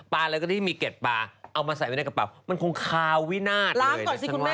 ปลาแล้วก็ที่มีเกร็ดปลาเอามาใส่ไว้ในกระเป๋ามันคงคาววินาทเลย